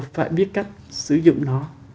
phải biết cách sử dụng nó